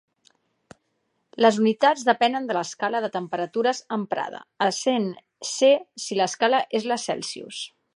Les unitats depenen de l'escala de temperatures emprada, essent °C si l'escala és la Celsius.